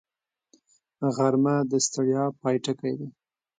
غرمه د ستړیا پای ټکی دی